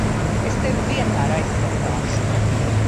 Es tevi vienmēr aizsargāšu!